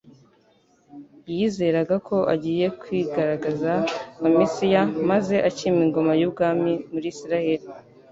Yizeraga ko agiye kwigaragaza nka Mesiya; maze akima ingoma y'ubwami mu Isiraeli.